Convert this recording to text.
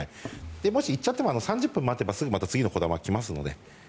もし行っちゃっても３０分待てば次のこだまが来ますので。